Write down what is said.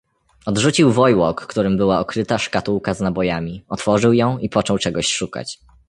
Odrzucił wojłok, którym była okryta szkatułka z nabojami, otworzył ją i począł czegoś szukać.